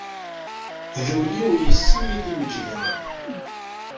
D ul-iw yes-m i d-imeǧǧden.